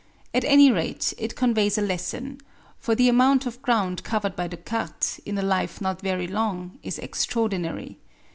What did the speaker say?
At any rate it conveys a lesson; for the amount of ground covered by Descartes, in a life not very long, is extraordinary.